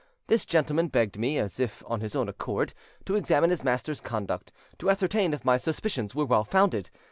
This gentleman begged me, as if of his own accord, to examine his master's conduct, to ascertain if my suspicions were well founded.